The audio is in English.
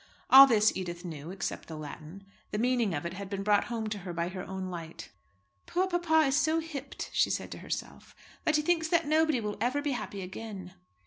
All this Edith knew, except the Latin. The meaning of it had been brought home to her by her own light. "Poor papa is so hipped," she said to herself, "that he thinks that nobody will ever be happy again."